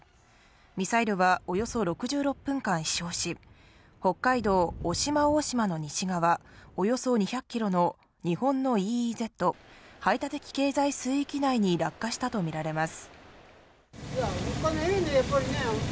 ミサイルはおよそ６６分間飛翔し、北海道・渡島大島の西側およそ２００キロの日本のＥＥＺ＝排他的経済水域内に落下したとみられます。